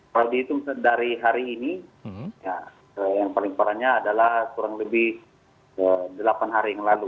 kalau dihitung dari hari ini yang paling parahnya adalah kurang lebih delapan hari yang lalu